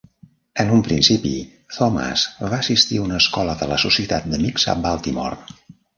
En un principi, Thomas va assistir a una escola de la Societat d'Amics a Baltimore.